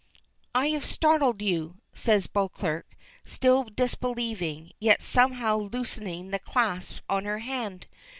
"I have startled you," says Beauclerk, still disbelieving, yet somehow loosening the clasp on her hand.